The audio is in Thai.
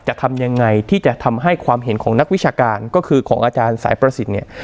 ทำยังไงที่จะทำให้ความเห็นของนักวิชาการก็คือของอาจารย์สายประสิทธิ์เนี่ย